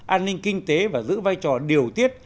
an ninh kinh tế và giữ vai trò điều tiết